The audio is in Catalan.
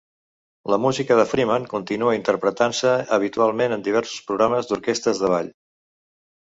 La música de Freeman continua interpretant-se habitualment en diversos programes d'orquestres de ball.